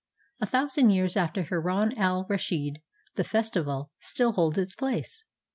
A thou sand years after Haroun al Raschid the festival still holds its place.